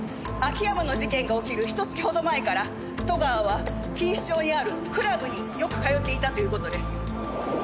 秋山の事件が起きるひと月ほど前から戸川は錦糸町にあるクラブによく通っていたという事です。